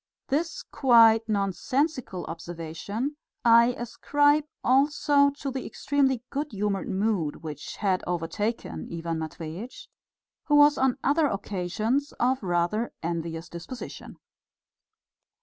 This quite nonsensical observation I ascribe also to the extremely good humoured mood which had overtaken Ivan Matveitch, who was on other occasions of rather envious disposition.